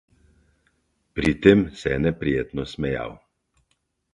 Pri tem se je neprijetno smejal.